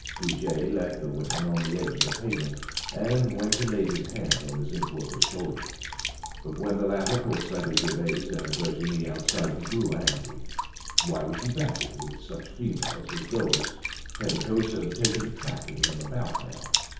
Goujet left the women on the edge of the pavement, and went and laid his hand on the zinc worker's shoulder. But when the latter caught sight of Gervaise and Virginie outside he grew angry. Why was he badgered with such females as those? Petticoats had taken to tracking him about now!